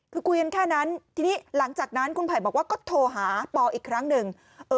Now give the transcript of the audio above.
คือคุยกันแค่นั้นทีนี้หลังจากนั้นคุณไผ่บอกว่าก็โทรหาปออีกครั้งหนึ่ง